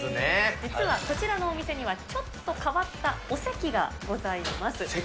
実はこちらのお店には、ちょっと変わったお席がございます。